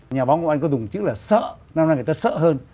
nhà báo của anh có dùng chữ là sợ năm nay người ta sợ hơn